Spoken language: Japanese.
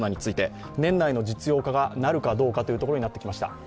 年内の実用化が、なるかどうかというところになってきました。